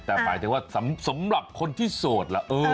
แต่หมายถึงว่าสำหรับคนที่โสดล่ะ